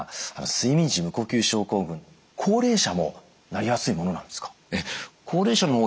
睡眠時無呼吸症候群高齢者もなりやすいものなんですか？